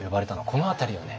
この辺りをね